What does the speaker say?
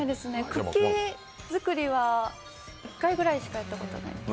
クッキー作りは１回ぐらいしかやったことないです